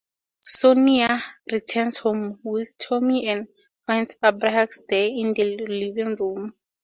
Sonia returns home with Tommy, and finds Abraxas there in the living room.